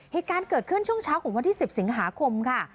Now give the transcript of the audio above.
เหตุการณ์เกิดขึ้นช่วงเช้าของวันที่๑๐สิงหาคมค่ะ